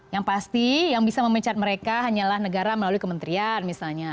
yang pasti yang bisa memecat mereka hanyalah negara melalui kementerian misalnya